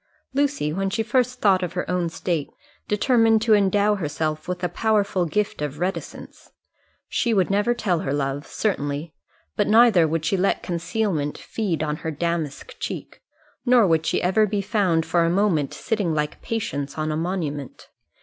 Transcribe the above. Lucy, when she first thought of her own state, determined to endow herself with a powerful gift of reticence. She would never tell her love, certainly; but neither would she let concealment feed on her damask cheek, nor would she ever be found for a moment sitting like Patience on a monument.